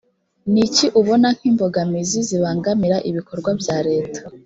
ni iki ubona nk imbogamizi zibangamira ibikorwa bya leta